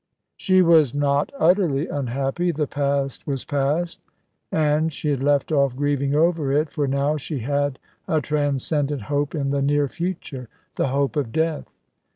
She was not utterly unhappy. The past was past, and she had left off grieving over it, for now she had a transcendent hope in the near future the hope of death.